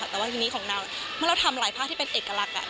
แต่ว่าทีนี้ของเราเมื่อเราทำหลายภาคที่เป็นเอกลักษณ์